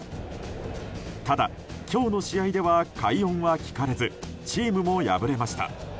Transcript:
ただ、今日の試合では快音は聞かれずチームも敗れました。